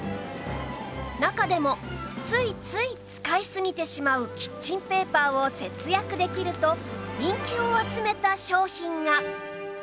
中でもついつい使いすぎてしまうキッチンペーパーを節約できると人気を集めた商品が